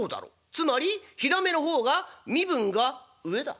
つまりひらめの方が身分が上だ。